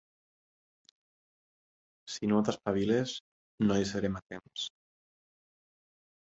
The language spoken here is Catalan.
Si no t'espaviles, no hi serem a temps.